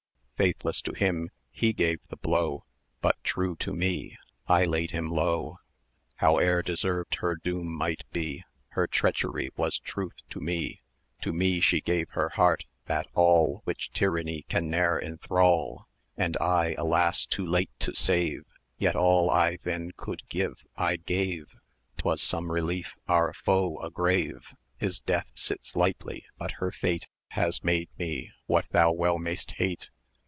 Faithless to him he gave the blow; But true to me I laid him low: Howe'er deserved her doom might be, Her treachery was truth to me; To me she gave her heart, that all Which Tyranny can ne'er enthrall; And I, alas! too late to save! 1070 Yet all I then could give, I gave 'Twas some relief our foe a grave.[ed] His death sits lightly; but her fate Has made me what thou well mayst hate.